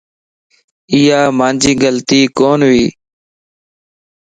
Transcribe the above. ايا مانجي غلطي ڪون وي.